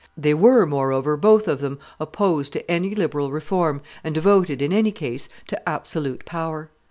They were, moreover, both of them, opposed to any liberal reform, and devoted, in any case, to absolute power.